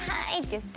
って。